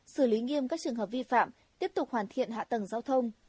xử lý nghiêm các trường hợp vi phạm tiếp tục hoàn thiện hạ tầng giao thông